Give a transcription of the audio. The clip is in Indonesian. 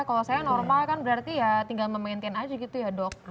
kalau saya normal kan berarti ya tinggal memaintain aja gitu ya dok